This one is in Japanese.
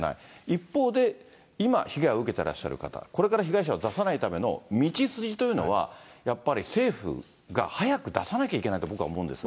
一方で、今、被害を受けてらっしゃる方、これから被害者を出さないための道筋というのは、やっぱり政府が早く出さなきゃいけないと僕は思うんですが。